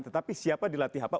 tetapi siapa dilatih apa